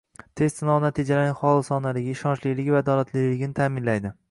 test sinovi natijalarining xolisonaligi, ishonchliligi va adolatliligini ta'minlaydi.